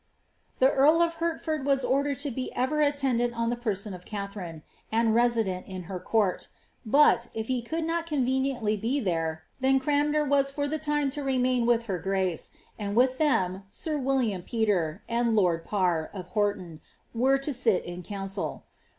'' The earl of Hertford was ordered to be ever attendant on the person Katharine, and resident in her court ; but, if he could not conve* itly be there, then Cranmcr was for the time to remain with her :e, and with them sir William Fctre, and Ion! Parr,^ of Horton, were lit in council.